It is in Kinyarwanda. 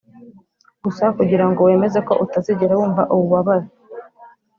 gusa kugirango wemeze ko utazigera wumva ububabare.